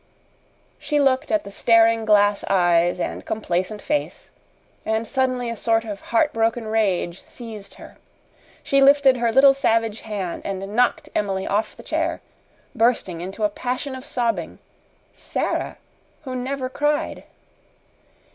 She looked at the staring glass eyes and complacent face, and suddenly a sort of heartbroken rage seized her. She lifted her little savage hand and knocked Emily off the chair, bursting into a passion of sobbing Sara who never cried.